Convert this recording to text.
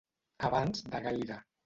Abans de gaire.